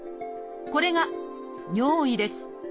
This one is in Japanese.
これが尿意です。